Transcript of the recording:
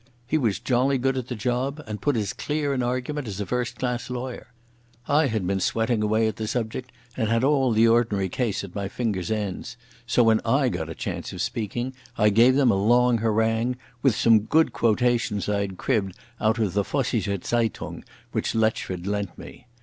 He was jolly good at the job, and put as clear an argument as a first class lawyer. I had been sweating away at the subject and had all the ordinary case at my fingers' ends, so when I got a chance of speaking I gave them a long harangue, with some good quotations I had cribbed out of the Vossische Zeitung, which Letchford lent me.